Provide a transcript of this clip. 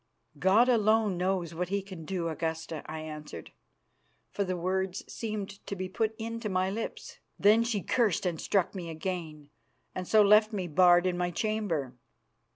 "'God alone knows what He can do, Augusta,' I answered, for the words seemed to be put into my lips. "Then she cursed and struck me again, and so left me barred in my chamber.